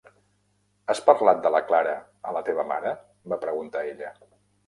"Has parlat de la Clara a la teva mare?", va preguntar ella.